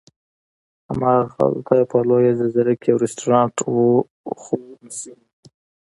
هماغلته په لویه جزیره کې یو رستورانت هم و، خو نصیب مو نه و.